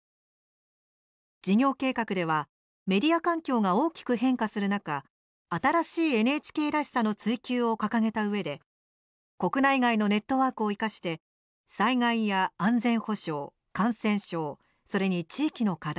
事業計画ではメディア環境が大きく変化する中「新しいＮＨＫらしさ」の追求を掲げたうえで、国内外のネットワークを生かして災害や安全保障、感染症それに地域の課題